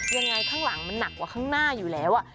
ข้างหลังมันหนักกว่าข้างหน้าอยู่แล้ว